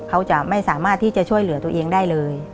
เขาจะไม่สามารถที่จะช่วยเหลือตัวเองได้เลย